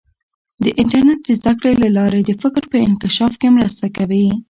د انټرنیټ د زده کړې له لارې د فکر په انکشاف کې مرسته کوي.